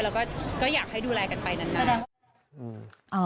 แล้วก็อยากให้ดูแลกันไปนาน